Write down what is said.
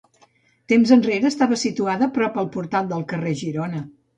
Temps enrere estava situada prop el portal del carrer Girona.